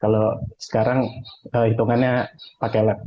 kemudian produksi mobilnya itu benar benar memperhatikan emisi karbon terutama ya